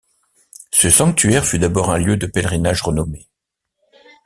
Ce sanctuaire fut d’abord un lieu de pèlerinage renommé.